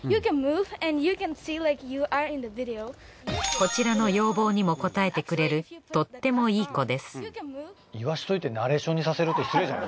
こちらの要望にも応えてくれるとってもいい子です